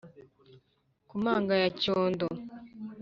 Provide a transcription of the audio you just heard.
Ku manga ya Cyondo ;